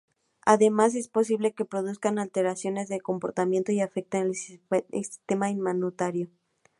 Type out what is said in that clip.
Además, es posible que produzcan alteraciones del comportamiento y afecten al sistema inmunitario.